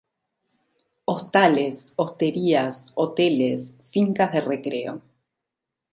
Hostales, hosterías, hoteles, fincas de recreo.